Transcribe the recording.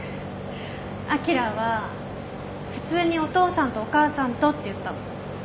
あきらは「普通にお父さんとお母さんと」って言ったの。